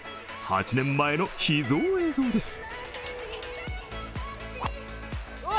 ８年前の秘蔵映像です。